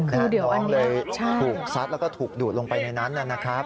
คือเดี๋ยวอันนี้น้องเลยถูกซัดแล้วก็ถูกดูดลงไปในนั้นนะครับ